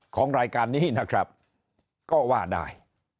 ของรายการนี้นะครับก็ว่าได้